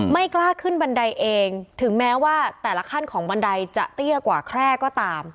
ไม่กล้าขึ้นบันไดเองถึงแม้ว่าแต่ละขั้นของบันไดจะเตี้ยกว่าแคร่ก็ตาม